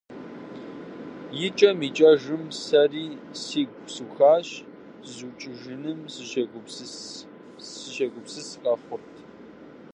ИкӀэм-икӀэжым, сэри си гур сухащ: зызукӀыжыным сыщегупсыс къэхъурт.